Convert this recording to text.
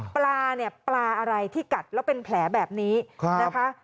ปลาเนี่ยปลาอะไรที่กัดแล้วเป็นแผลแบบนี้นะคะ